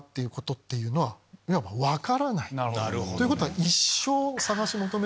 ということは。